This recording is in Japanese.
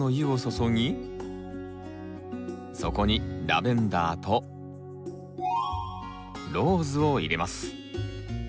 そこにラベンダーとローズを入れます。